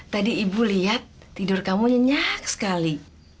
tadi ibu lihat tidur kamu nyenyak sekali